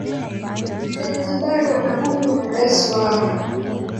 zanzibar wana wabunge na rais wao